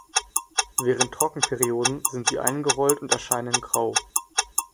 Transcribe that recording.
Während Trockenperioden sind sie eingerollt und erscheinen grau.